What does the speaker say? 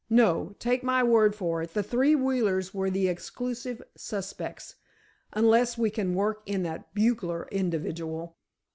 No, take my word for it, the three Wheelers are the exclusive suspects—unless we can work in that bugler individual."